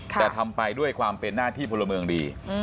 แต่ทำไปด้วยความเป็นหน้าที่พลเมืองดี